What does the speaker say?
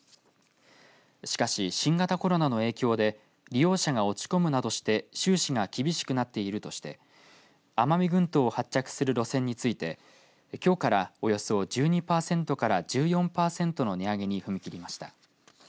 しかし新型コロナの影響で利用者が落ち込むなどして収支が厳しくなっているとして奄美群島を発着する路線についてきょうからおよそ１２パーセントから１４パーセントの値上げに踏み切りました。